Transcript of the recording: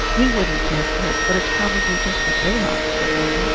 "We wouldn't care for it, but probably it's just what they like," said Wilbur.